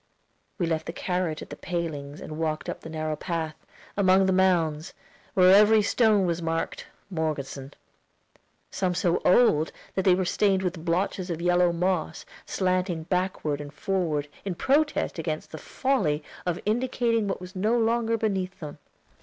We left the carriage at the palings and walked up the narrow path, among the mounds, where every stone was marked "Morgeson." Some so old that they were stained with blotches of yellow moss, slanting backward and forward, in protest against the folly of indicating what was no longer beneath them.